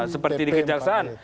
seperti di kenjaksaan